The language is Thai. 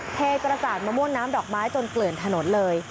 เทกระจาดมะม่วงน้ำดอกไม้จนเกลื่อนถนนเลย